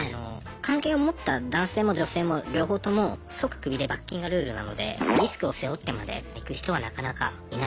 関係を持った男性も女性も両方とも即クビで罰金がルールなのでリスクを背負ってまでいく人はなかなかいないのかなっていう。